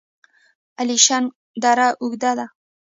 الیشنګ دره اوږده ده؟